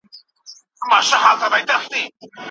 خدای زموږ په شکلونو نه بلکي په زړونو ګوري.